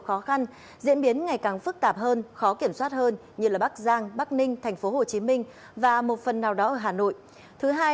hãy đăng ký kênh để nhận thông tin nhất